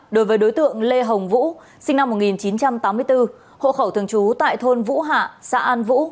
đối với đối tượng lê hồng vũ sinh năm một nghìn chín trăm tám mươi bốn hộ khẩu thường trú tại thôn vũ hạ xã an vũ